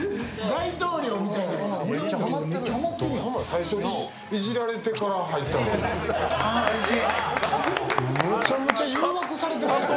最初いじられてから入ったのに。